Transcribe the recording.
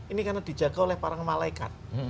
ini karena dijaga oleh para malaikat